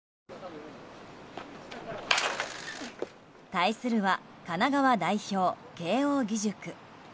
対するは神奈川代表・慶應義塾。